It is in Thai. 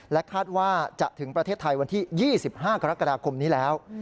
คาดว่าจะถึงประเทศไทยวันที่๒๕กรกฎาคมนี้แล้ว